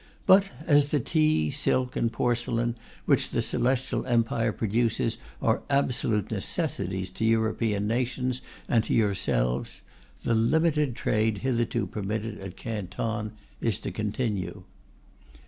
But as the tea, silk and porcelain which the Celestial Empire produces are absolute necessities to European nations and to yourselves," the limited trade hitherto permitted at Canton is to continue.